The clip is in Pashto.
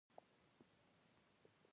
هغه څوک چې پوهېږي کومې خواته باید ولاړ شي.